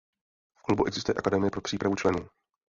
V klubu existuje Akademie pro přípravu členů.